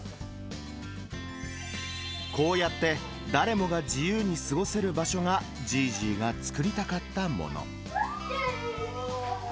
こうやって誰もが自由に過ごせる場所が、じぃーじぃーが作りたかったもの。